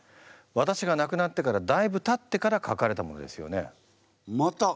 私が亡くなってからだいぶたってから書かれたものですよね？